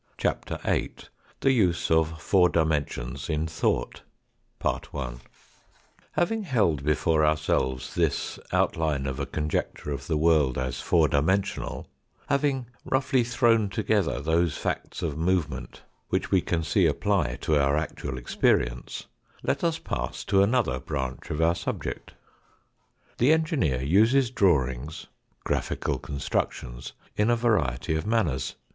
CHAPTER VIII THE USE OF FOUR DIMENSIONS IN THOUGHT HAVING held before ourselves this outline of a conjecture of the world as four dimensional, having roughly thrown together those facts of movement which we can see apply to our actual experience, let us pass to another branch of our subject. The engineer uses drawings, graphical constructions, in a variety of manners.